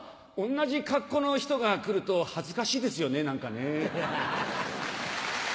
同じ格好の人が来ると恥ずかしいですよね何かね。